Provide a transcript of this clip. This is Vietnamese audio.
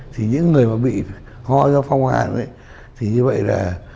thì những người mà bị ho do phong hàn ấy thì như vậy là